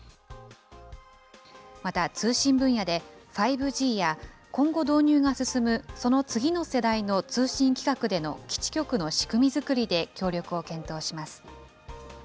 また通信分野で、５Ｇや今後導入が進むその次の世代の通信規格での基地局の仕組み作りで協力を検討します。